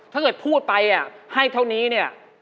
ถ้าเกิดพูดไปให้เท่านี้เนี่ย